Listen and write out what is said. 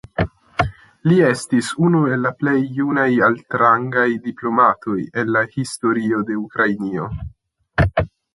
Li estas unu el la plej junaj altrangaj diplomatoj en la historio de Ukrainio.